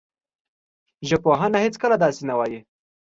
ژبپوهنه هېڅکله داسې نه وايي